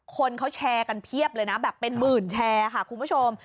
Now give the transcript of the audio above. คนเขาแชร์กันเพียบเลยนะแบบเป็นหมื่นแชร์ค่ะคุณผู้ชม